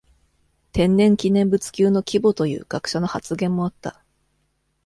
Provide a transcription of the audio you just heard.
天然記念物級の規模という学者の発言もあった。